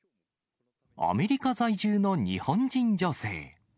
アメリカ在住の日本人女性。